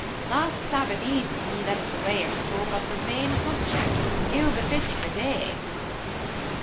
Last Sabbath evening he led us away into talk on profane subjects ill befitting the day."